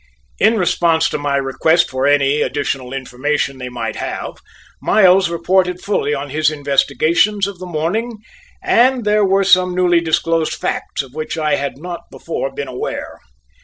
In response to my request for any additional information they might have, Miles reported fully on his investigations of the morning and there were some newly disclosed facts of which I had not before been aware.